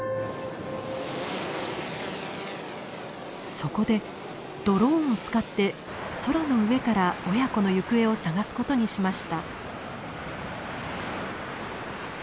そこでドローンを使って空の上から親子の行方を捜すことにしました。